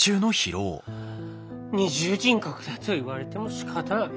二重人格だと言われてもしかたがない。